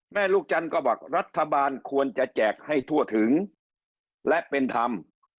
ลูกจันทร์ก็บอกรัฐบาลควรจะแจกให้ทั่วถึงและเป็นธรรม